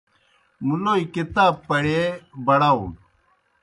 مُلوئے کِتاب پڑیے بڑاؤن۔